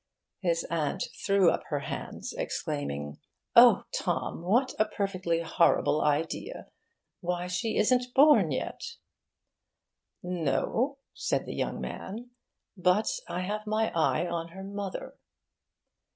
His aunt threw up her hands, exclaiming, 'Oh, Tom, what a perfectly horrible idea! Why, she isn't born yet!' 'No,' said the young man, 'but I have my eye on her mother.